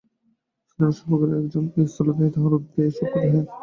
সুতরাং সর্বাগ্রে আছে এই স্থূলদেহ, তাহার ঊর্ধ্বে আছে এই সূক্ষ্মদেহ।